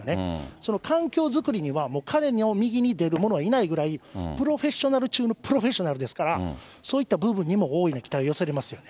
その環境作りには、彼の右に出る者はいないぐらい、プロフェッショナル中のプロフェッショナルですから、そういった部分にも大いに期待寄せられますよね。